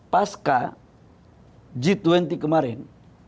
pasca g dua puluh kemarin